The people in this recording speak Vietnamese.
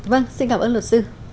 vâng xin cảm ơn luật sư